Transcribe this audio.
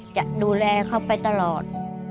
จะดูแลเขาไปตลอด